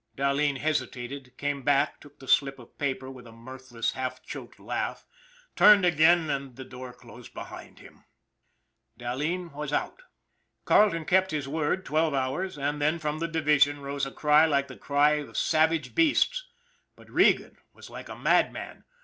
Dahleen hesitated, came back, took the slip of paper with a mirthless, half choked laugh, turned again, and the door closed behind him. Dahleen was out. Carleton kept his word twelve hours and then from the division rose a cry like the cry of savage beasts ; but Regan was like a madman.